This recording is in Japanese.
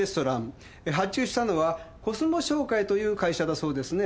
発注したのは「コスモ商会」という会社だそうですね？